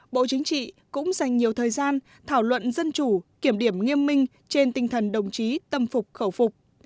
bộ chính trị cũng dành nhiều thời gian thảo luận dân chủ kiểm điểm nghiêm minh trên tinh thần đồng chí tâm phục khẩu phục